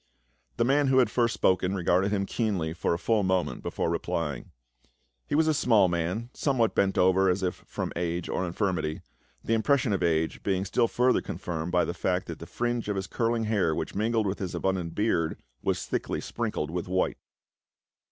The man who had first spoken, regarded him keenly for a full moment before replying. He was a small man, somewhat bent over, as if from age or infirmit} . the impression of age being still further confirmed by 334 PA UL. the fact that the fringe of curhng hair which mingled with his abundant beard was thickly sprinkled with white.